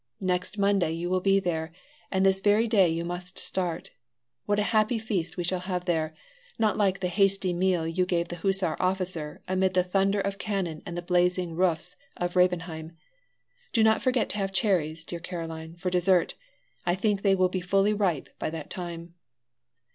Next Monday you will be there, and this very day you must start. What a happy feast we shall have there! not like the hasty meal you gave the hussar officer amid the thunder of cannon and the blazing roofs of Rebenheim. Do not forget to have cherries, dear Caroline, for dessert; I think they will be fully ripe by that time."